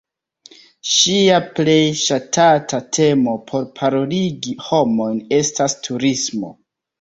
Ŝia plej ŝatata temo por paroligi homojn estas "turismo".